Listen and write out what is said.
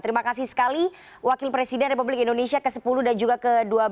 terima kasih sekali wakil presiden republik indonesia ke sepuluh dan juga ke dua belas